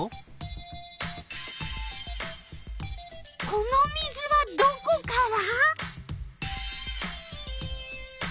この水はどこから？